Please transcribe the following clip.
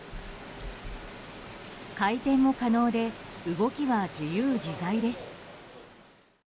回転も可能で動きは自由自在です。